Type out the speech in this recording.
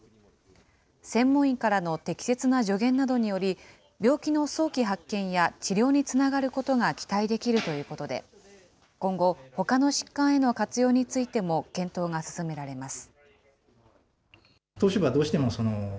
専門医からの適切な助言などにより、病気の早期発見や治療につながることが期待できるということで、今後、ほかの疾患への活用についても検討が進められます。